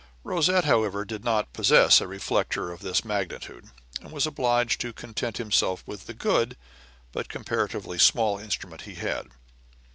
Rosette, however, did not possess a reflector of this magnitude, and was obliged to content himself with the good but comparatively small instrument he had.